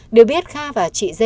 được biết kha và chị d